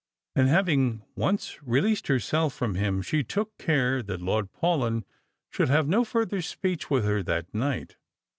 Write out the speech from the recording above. And having once released herself from him, she took care that Lord Paulyn should have no farther speech with her that night.